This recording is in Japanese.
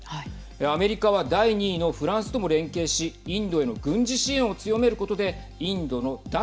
アメリカは第２位のフランスとも連携しインドへの軍事支援を強めることで、インドの脱